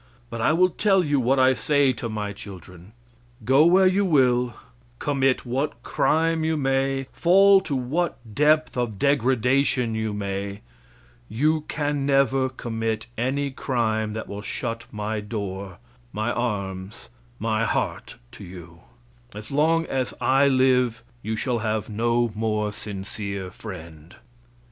But I will tell you what I say to my children: "Go where you will; commit what crime you may; fall to what depth of degradation you may; you can never commit any crime that will shut my door, my arms, my heart to you; as long as I live you shall have no more sincere friend."